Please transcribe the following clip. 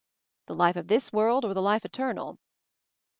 "The life of this world or the life eternal